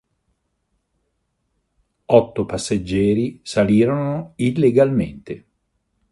Otto passeggeri salirono illegalmente.